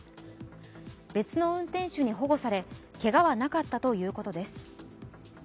別の運転手に保護され、けがはなかったということです。